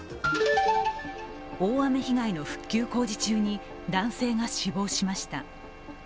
大雨被害の復旧工事中に男性が死亡しました。